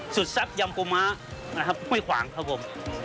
สุดแซ่บยำกูม้าห้วยขวางครับผม